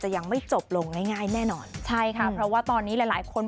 ยังไม่จบลงง่ายง่ายแน่นอนใช่ค่ะเพราะว่าตอนนี้หลายหลายคน